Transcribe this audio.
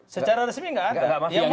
secara resmi nggak ada